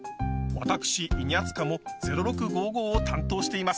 私稲塚も「０６５５」を担当しています。